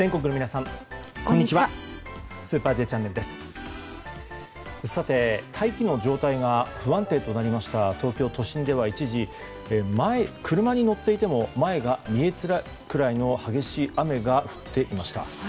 さて、大気の状態が不安定となりました東京都心では一時、車に乗っていても前が見えづらいぐらいの激しい雨が降っていました。